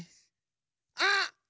あっ！